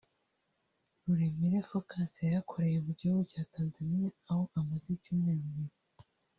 Ruremire Focus yayakoreye mu gihugu cya Tanzania aho amaze ibyumweru bibiri